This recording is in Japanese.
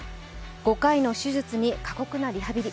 ５回の手術に過酷なリハビリ。